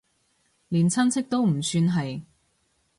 連親戚都唔算係